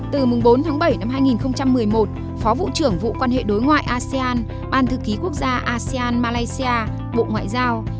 từ bốn tháng bảy năm hai nghìn một mươi một phó vụ trưởng vụ quan hệ đối ngoại asean ban thư ký quốc gia asean malaysia bộ ngoại giao